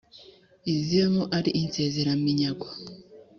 izibamo ari insezeraminyago